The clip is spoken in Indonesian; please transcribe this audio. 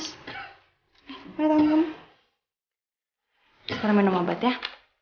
sekarang minum obat ya